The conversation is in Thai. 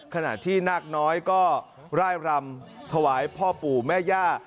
ขณะที่นาคน้อยก็ร่ายรำถวายพ่อปู่แม่ย่า